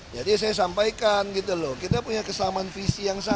jadi saya sampaikan kita punya kesamaan visi yang sama